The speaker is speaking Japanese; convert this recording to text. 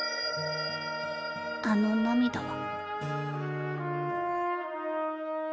あの涙は。